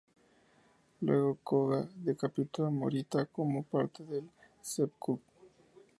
Luego Koga decapitó a Morita como parte del "seppuku".